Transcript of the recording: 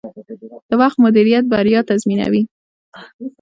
د وخت مدیریت بریا تضمینوي.